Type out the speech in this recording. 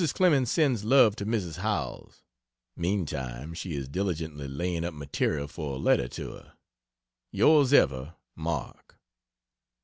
Mrs. Clemens sends love to Mrs. Howells meantime she is diligently laying up material for a letter to her. Yrs ever MARK.